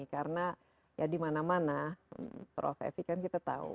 karena ya di mana mana prof evi kan kita tahu